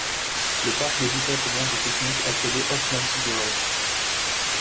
Le parc débutât comme aire de pique-nique appelée Hoffman's Grove.